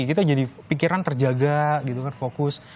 kita jadi pikiran terjaga gitu kan fokus